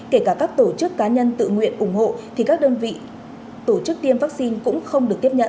kể cả các tổ chức cá nhân tự nguyện ủng hộ thì các đơn vị tổ chức tiêm vaccine cũng không được tiếp nhận